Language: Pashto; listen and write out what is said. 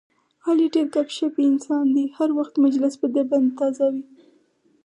علي ډېر ګپ شپي انسان دی، هر وخت مجلس په ده باندې تازه وي.